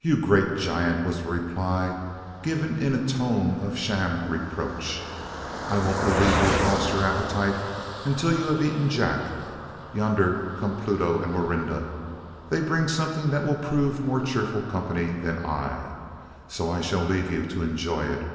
"You great giant!" was the reply, given in a tone of sham reproach; "I won't believe you have lost your appetite, until you have eaten Jack. Yonder come Pluto and Morinda. They bring something that will prove more cheerful company than I; so I shall leave you to enjoy it.